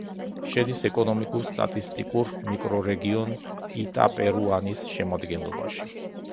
შედის ეკონომიკურ-სტატისტიკურ მიკრორეგიონ იტაპერუანის შემადგენლობაში.